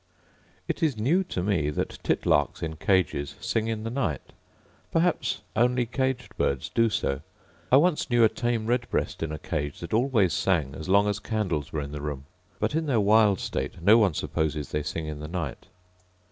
It is new to me that titlarks in cages sing in the night; perhaps only caged birds do so. I once knew a tame red breast in a cage that always sang as long as candles were in the room; but in their wild state no one supposes they sing in the night.